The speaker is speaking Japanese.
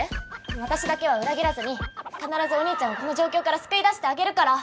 私だけは裏切らずに必ずお義兄ちゃんをこの状況から救い出してあげるから！